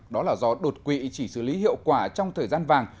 đó là do đột quỵ chỉ xử lý hiệu quả trong thời gian vàng